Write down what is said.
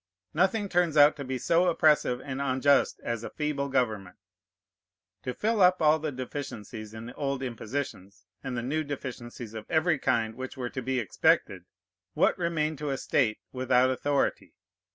Nothing turns out to be so oppressive and unjust as a feeble government. To fill up all the deficiencies in the old impositions, and the new deficiencies of every kind which were to be expected, what remained to a state without authority?